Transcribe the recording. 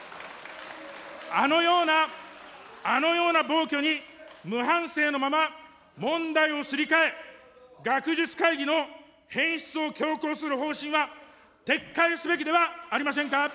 あのような、あのような暴挙に無反省のまま、問題をすり替え、学術会議のへんしつを強行する方針は撤回すべきではありませんか。